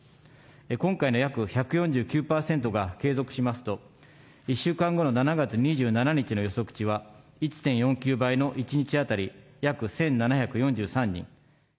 今回の約１４９％が継続しますと、１週間後の７月２７日の予測値は、１．４９倍の１日当たり約１７４３人。